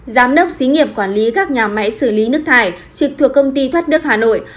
giám đốc xí nghiệp quản lý các nhà máy xử lý nước thải trực thuộc công ty thoát nước hà nội